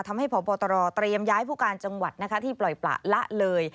พบตรเตรียมย้ายผู้การจังหวัดที่ปล่อยประละเลย